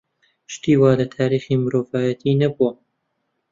شتی وا لە تاریخی مرۆڤایەتی نەبووە.